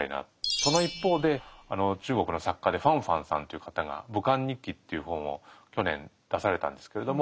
その一方で中国の作家で方方さんという方が「武漢日記」っていう本を去年出されたんですけれども。